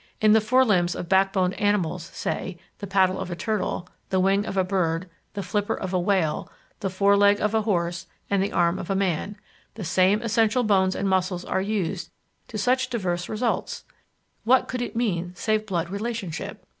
In the fore limbs of backboned animals, say, the paddle of a turtle, the wing of a bird, the flipper of a whale, the fore leg of a horse, and the arm of a man; the same essential bones and muscles are used to such diverse results! What could it mean save blood relationship?